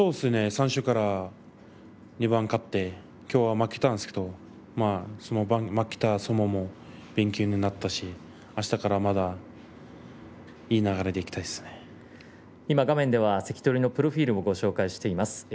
最初から２番勝ってきょうは負けたんですけれど負けた相撲も勉強になったしあしたからまた、いい流れで画面では関取のプロフィールもご紹介しています。